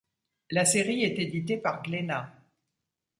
La série est éditée par Glénat.